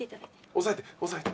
押さえて押さえて。